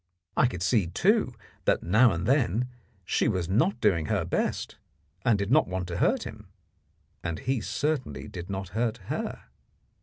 I could see, too, that now and then she was not doing her best, and did not want to hurt him, and he certainly did not hurt her.